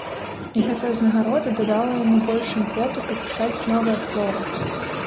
І гэтая ўзнагарода дадала яму больш імпэту, каб пісаць новыя творы.